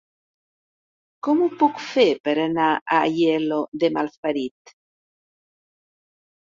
Com ho puc fer per anar a Aielo de Malferit?